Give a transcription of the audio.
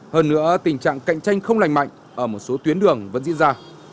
hơn nữa tình trạng cạnh tranh không lành mạnh ở một số tuyến đường vẫn diễn ra